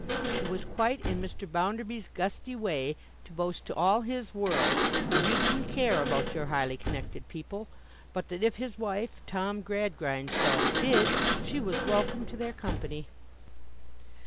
It was quite in Mr. Bounderby's gusty way to boast to all his world that he didn't care about your highly connected people, but that if his wife Tom Gradgrind's daughter did, she was welcome to their company.